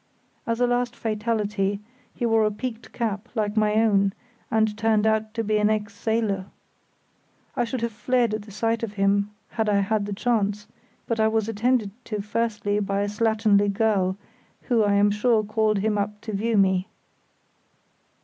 As a last fatality, he wore a peaked cap like my own, and turned out to be an ex sailor. I should have fled at the sight of him had I had the chance, but I was attended to first by a slatternly girl who, I am sure, called him up to view me.